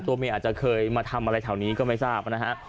เมียอาจจะเคยมาทำอะไรแถวนี้ก็ไม่ทราบนะฮะ